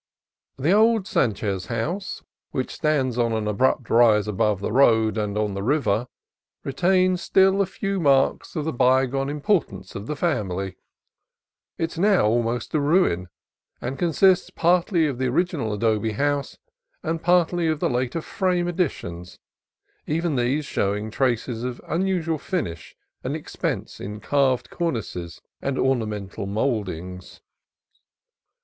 The old Sanchez house, which stands on an abrupt rise above the road and the river, retains still a few marks of the bygone importance of the family. It is now almost a ruin, and consists partly of thcj io CALIFORNIA COAST TRAILS original adobe house and partly of later "frame" additions, even these showing traces of unusual fin ish and expense in carved cornices and ornamented mouldings.